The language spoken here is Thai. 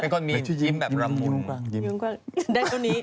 คือยิ้มแบบละมุน